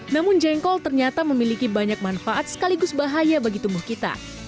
namun jengkol ternyata memiliki banyak manfaat sekaligus bahaya bagi tubuh kita